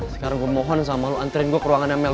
sekarang gue mohon sama lo anterin gue ke ruangannya mel